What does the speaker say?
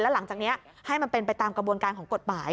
หลังจากนี้ให้มันเป็นไปตามกระบวนการของกฎหมาย